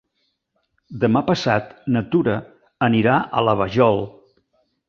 Demà passat na Tura anirà a la Vajol.